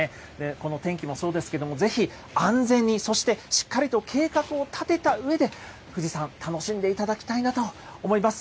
この天気もそうですけども、ぜひ、安全にそしてしっかりと計画を立てたうえで、富士山、楽しんでいただきたいなと思います。